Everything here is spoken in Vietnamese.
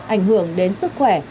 ảnh hưởng đến sức khỏe